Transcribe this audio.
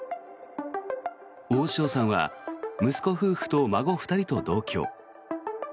大塩さんは息子夫婦と孫２人と同居。